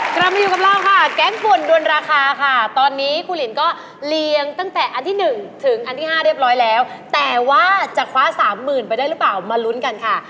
กลับมาอยู่กับเราค่ะแก๊งป่วนด้วนราคาค่ะตอนนี้ครูหลินก็เลี้ยงตั้งแต่อันที่๑ถึงอันที่๕เรียบร้อยแล้วแต่ว่าจะคว้าสามหมื่นไปได้หรือเปล่ามาลุ้นกันค่ะ